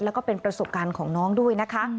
แล้วก็เป็นประสบการณ์ของน้องด้วยนะคะ